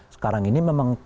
sekarang ini memang